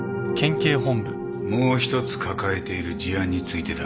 もう一つ抱えている事案についてだが。